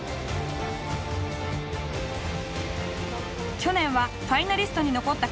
去年はファイナリストに残った金沢。